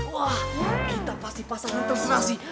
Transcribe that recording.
wah kita pasti pasangan terserah sih